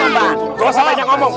gak usah banyak ngomong